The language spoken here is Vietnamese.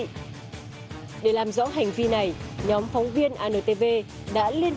cái đấy thì nó sử dụng như thế nào anh